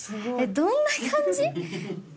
どんな感じ？